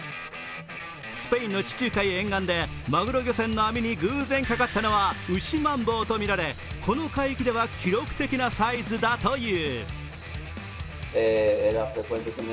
スペインの地中海沿岸で、まぐろ漁船の網に偶然かかったのはウシマンボウとみられ、この海域では記録的なサイズだという。